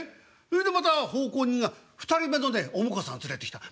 それでまた奉公人が２人目のねお婿さん連れてきた。